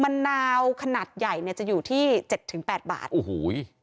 มะนาวขนาดใหญ่เนี่ยจะอยู่ที่เจ็ดถึงแปดบาทโอ้โห